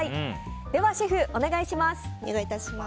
では、シェフお願いします。